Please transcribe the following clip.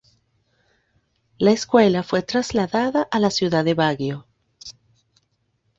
La escuela fue trasladada a la ciudad de Baguio.